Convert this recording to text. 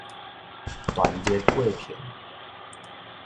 斷熱過程